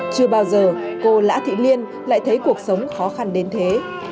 chưa bao giờ cô lã thị liên lại thấy cuộc sống khó khăn đến thế